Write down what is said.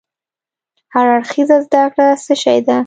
هر اړخيزه زده کړه څه شی ده؟